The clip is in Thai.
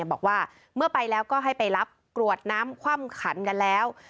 บอกว่าเมื่อไปแล้วก็ให้ไปรับกรวดน้ำคว่ำขันกันแล้ว